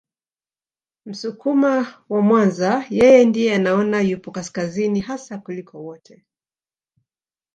Msukuma wa Mwanza yeye ndiye anaona yupo kaskazini hasa kuliko wote